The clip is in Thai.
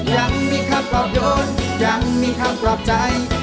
ยังมีคำปลอบโยนยังมีคำปลอบใจ